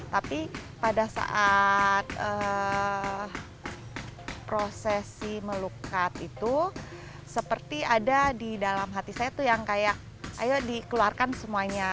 tapi pada saat prosesi melukat itu seperti ada di dalam hati saya tuh yang kayak ayo dikeluarkan semuanya